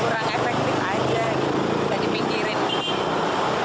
ya kurang efektif aja bisa dipinggirin sih